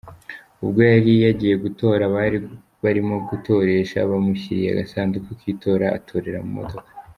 Ubwo yari yagiye gutora abari barimo gutoresha bamushyiriye agasanduku k’itora atorera mu modoka.